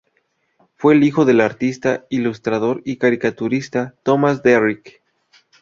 Fue el hijo del artista, ilustrador y caricaturista Thomas Derrick.